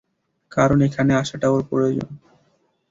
কারন এখানে আসাটা, ওর প্রয়োজন।